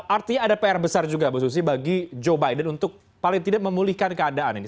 artinya ada pr besar juga bu susi bagi joe biden untuk paling tidak memulihkan keadaan ini